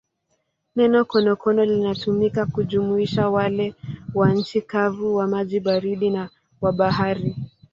Neno konokono linatumika kujumuisha wale wa nchi kavu, wa maji baridi na wa bahari.